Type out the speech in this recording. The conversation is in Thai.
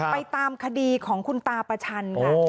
ไปตามคดีของคุณตาประชันค่ะ